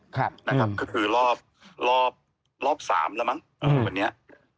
ก็คือรอบ๓แล้วมั้งตอนเนี้ย